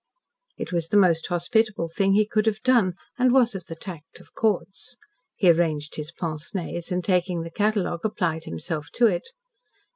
It was the most hospitable thing he could have done, and was of the tact of courts. He arranged his pince nez, and taking the catalogue, applied himself to it.